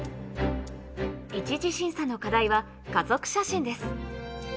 １次審査の課題は家族写真です。